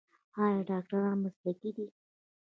آیا ډاکټران مسلکي دي؟